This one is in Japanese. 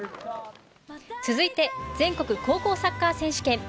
続いて、全国高校サッカー選手権。